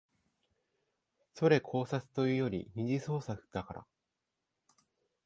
それ考察というより二次創作だから